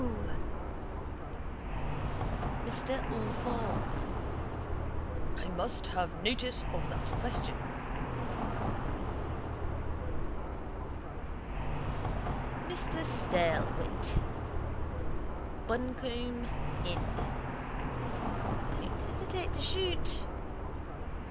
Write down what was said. Mr Allfours: I must have notice of that question. Mr Staylewit (Buncombe. Ind.): Don't hesitate to shoot.